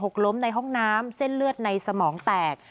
กล้มในห้องน้ำเส้นเลือดในสมองแตก